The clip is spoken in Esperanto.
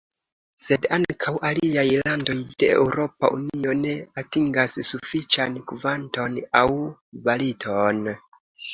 Sed ankaŭ aliaj landoj de Eŭropa Unio ne atingas sufiĉan kvanton aŭ kvaliton.